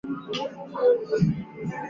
冰岛马是发展自冰岛的一个马品种。